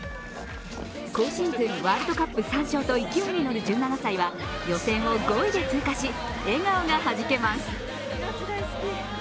今シーズンワールドカップ３勝と勢いに乗る１７歳は予選を５位で通過し、笑顔が弾けます。